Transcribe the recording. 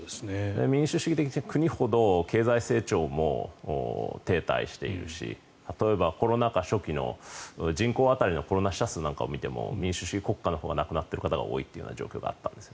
民主主義的な国ほど経済成長も停滞しているし例えばコロナ禍初期の人口当たりのコロナ死者数のを見ても民主主義国家のほうが亡くなった方が多い状況があったんです。